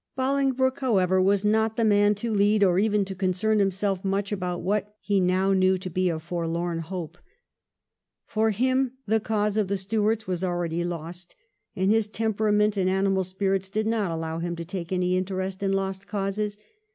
Bolingbroke, however, was not the man to lead or even to concern himself much about what he now knew to be a forlorn hope. For him the cause of the Stuarts was already lost, and his temperament and animal spirits did not allow him to take any interest in lost causes.